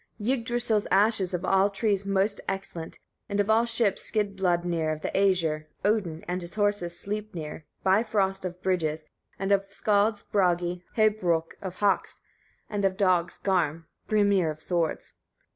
44. Yggdrasil's ash is of all trees most excellent, and of all ships, Skidbladnir, of the Æsir, Odin, and of horses, Sleipnir, Bifröst of bridges, and of skallds, Bragi, Hâbrôk of hawks, and of dogs, Garm, [Brimir of swords.